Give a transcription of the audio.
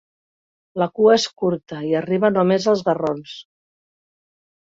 La cua és curta, i arriba només als garrons.